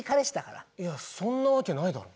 いやそんなわけないだろ。